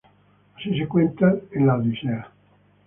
Así se cuenta en la "Odisea".